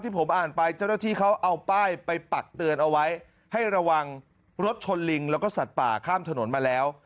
ผมอ่านไปเจ้าหน้าที่เขาเอาป้ายไปปักเตือนเอาไว้ให้ระวังรถชนลิงแล้วก็สัตว์ป่าข้ามถนนมาแล้ว